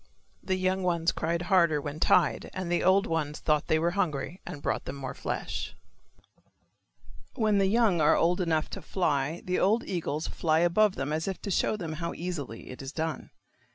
The young ones cried harder when tied and the old ones thought they were hungry and brought them more flesh. When the young are old enough to fly the old eagles fly above them as if to show them how easily it is done.